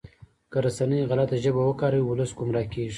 که رسنۍ غلطه ژبه وکاروي ولس ګمراه کیږي.